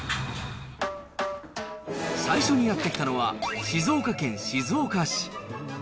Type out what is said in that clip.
最初にやって来たのは、静岡県静岡市。